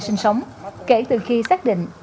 sinh sống kể từ khi xác định